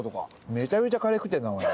めちゃめちゃカレー食ってるなおい。